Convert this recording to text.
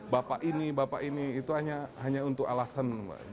bapak ini bapak ini itu hanya untuk alasan